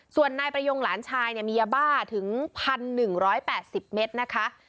ส่วนนายประยงหลานชายมียาบ้าถึง๑๑๘๐เมตรนะคะ